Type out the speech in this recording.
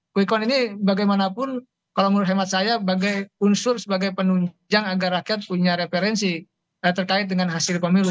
quick count ini bagaimanapun kalau menurut hemat saya bagai unsur sebagai penunjang agar rakyat punya referensi terkait dengan hasil pemilu